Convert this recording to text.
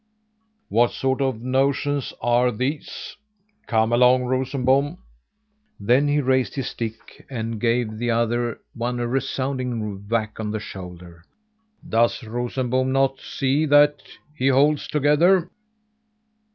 "What sort of notions are these? Come along, Rosenbom!" Then he raised his stick and gave the other one a resounding whack on the shoulder. "Does Rosenbom not see that he holds together?"